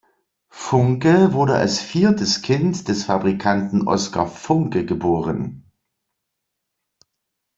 Funcke wurde als viertes Kind des Fabrikanten Oscar Funcke geboren.